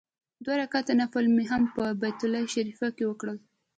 دوه رکعته نفل مې هم په بیت الله شریفه کې وکړ.